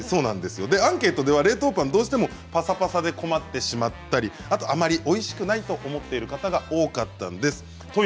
アンケートでは冷凍パンはどうしてもぱさぱさで困ってしまったりあまりおいしくないと思っている方が、多かったんです。